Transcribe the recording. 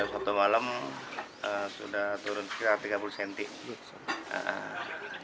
satu malam sudah turun sekitar tiga puluh cm